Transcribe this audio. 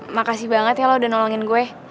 makasih banget ya lo udah nolongin gue